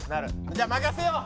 じゃあ任せよう！